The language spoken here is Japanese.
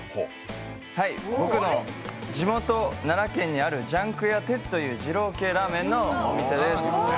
僕の地元・奈良県にあるジャンク屋哲という二郎系ラーメンのお店です。